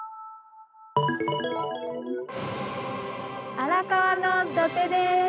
荒川の土手です！